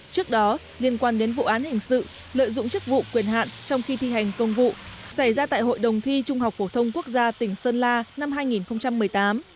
trước đó liên quan đến vụ án hình sự lợi dụng chức vụ quyền hạn trong khi thi hành công vụ xảy ra tại hội đồng thi trung học phổ thông quốc gia tỉnh sơn la năm hai nghìn một mươi tám